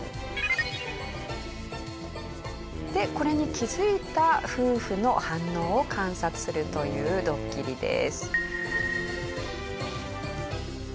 でこれに気づいた夫婦の反応を観察するというドッキリです。